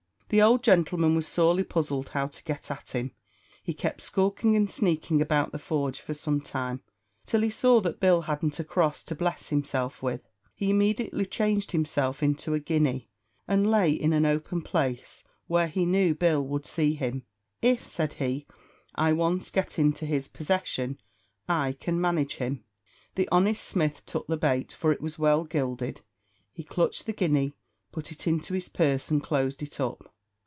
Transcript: The old gentleman was sorely puzzled how to get at him. He kept skulking and sneaking about the forge for some time, till he saw that Bill hadn't a cross to bless himself with. He immediately changed himself into a guinea, and lay in an open place where he knew Bill would see him. "If," said he, "I once get into his possession, I can manage him." The honest smith took the bait, for it was well gilded; he clutched the guinea, put it into his purse, and closed it up.